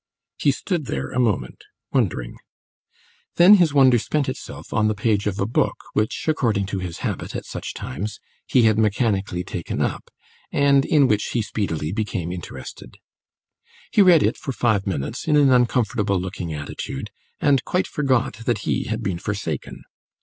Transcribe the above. He stood there a moment, wondering; then his wonder spent itself on the page of a book which, according to his habit at such times, he had mechanically taken up, and in which he speedily became interested. He read it for five minutes in an uncomfortable looking attitude, and quite forgot that he had been forsaken.